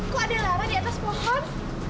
kok ada lara di atas pohon